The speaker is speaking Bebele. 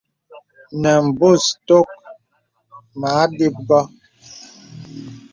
Nə̀ bùs tōk mə a dəp wɔ.